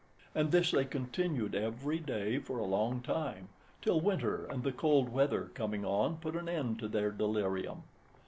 And this they continued every day for a long time, till winter and the cold weather coming on put an end to their delirium.